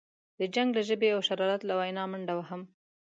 د جنګ له ژبې او شرارت له وینا منډه وهم.